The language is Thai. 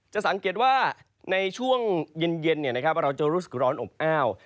จะสังเกตว่าในช่วงเย็นเราจะรู้สึกร้อนอบอ้าว